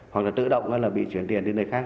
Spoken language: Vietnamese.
hoặc là tự động bị chuyển tiền đến nơi khác